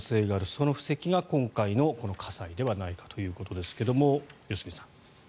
その布石が今回のこの火災ではないかということですが、良純さん。